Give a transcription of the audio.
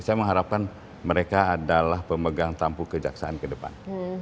saya mengharapkan mereka adalah pemegang tampu kerjaksaan kedepan